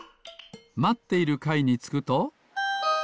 まっているかいにつくと。